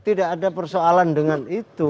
tidak ada persoalan dengan itu